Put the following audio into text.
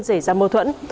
rể ra mâu thuẫn